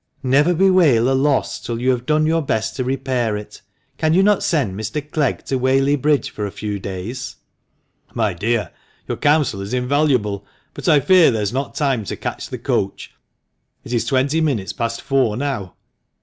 " Never bewail a loss till you have done your best to repair it. Can you not send Mr. Clegg to Whaley Bridge for a few days?" " My dear, your counsel is invaluable, but I fear there is not time to catch the coach ; it is twenty minutes past four now."